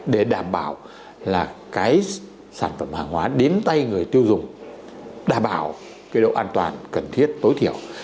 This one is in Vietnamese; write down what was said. để đảm bảo là cái sản phẩm hàng hóa đến tay người tiêu dùng đảm bảo cái độ an toàn cần thiết tối thiểu